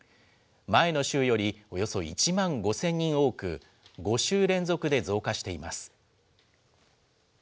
前の週よりおよそ１万５０００人多く、５週連続で増加しています。